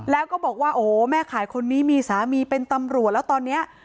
แล้วก็บอกว่าโอ้โหแม่ขายคนนี้มีสามีเป็นตำรวจแล้วตอนนี้